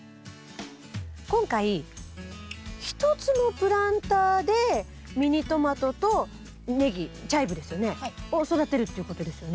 今回１つのプランターでミニトマトとネギチャイブですよねを育てるっていうことですよね？